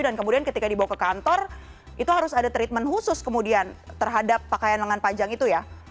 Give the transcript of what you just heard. dan kemudian ketika dibawa ke kantor itu harus ada treatment khusus kemudian terhadap pakaian lengan panjang itu ya